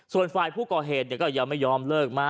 ส่วนฝ่ายผู้ก่อเหตุก็ยังไม่ยอมเลิกมา